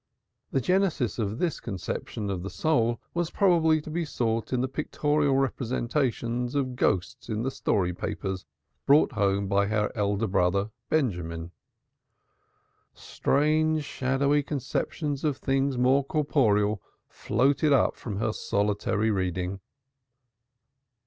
The genesis of this conception of the soul was probably to be sought in the pictorial representations of ghosts in the story papers brought home by her eldest brother Benjamin. Strange shadowy conceptions of things more corporeal floated up from her solitary reading.